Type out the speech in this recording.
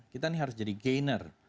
kita harus jadi gainer